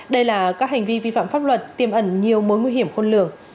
đây là các hành vi vi phạm pháp luật tiêm ẩn nhiều mối nguy hiểm khôn lường